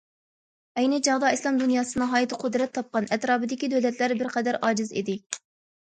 ئەينى چاغدا ئىسلام دۇنياسى ناھايىتى قۇدرەت تاپقان، ئەتراپىدىكى دۆلەتلەر بىر قەدەر ئاجىز ئىدى.